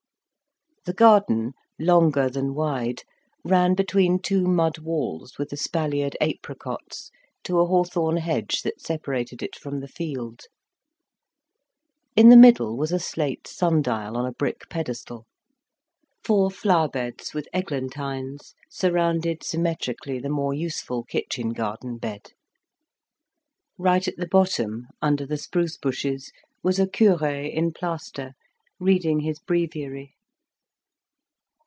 The garden, longer than wide, ran between two mud walls with espaliered apricots, to a hawthorn hedge that separated it from the field. In the middle was a slate sundial on a brick pedestal; four flower beds with eglantines surrounded symmetrically the more useful kitchen garden bed. Right at the bottom, under the spruce bushes, was a cure in plaster reading his breviary.